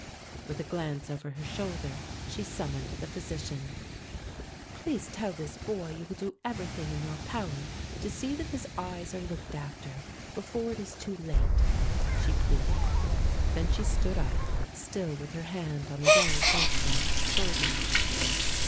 With a glance over her shoulder she summoned the physician. "Please tell this boy you will do everything in your power to see that his eyes are looked after before it is too late," she pleaded. Then she stood up, still with her hand on the young Frenchman's shoulder.